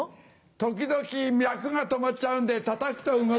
時々脈が止まっちゃうんでたたくと動くんです。